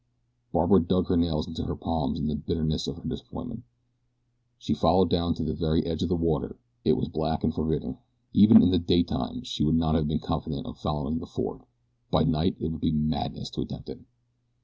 Barbara dug her nails into her palms in the bitterness of her disappointment. She followed down to the very edge of the water. It was black and forbidding. Even in the daytime she would not have been confident of following the ford by night it would be madness to attempt it.